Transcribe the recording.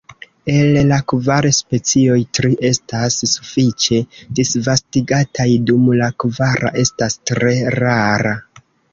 El la kvar specioj, tri estas sufiĉe disvastigataj, dum la kvara estas tre rara.